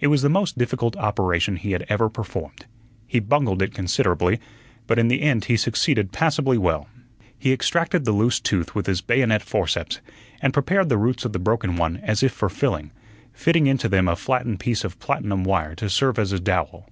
It was the most difficult operation he had ever performed. He bungled it considerably, but in the end he succeeded passably well. He extracted the loose tooth with his bayonet forceps and prepared the roots of the broken one as if for filling, fitting into them a flattened piece of platinum wire to serve as a dowel.